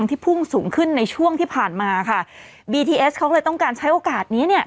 ต้องส่องกล้องทำทุกอย่างอะไรอย่างนี้